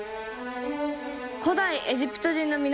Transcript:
古代エジプト人の皆様！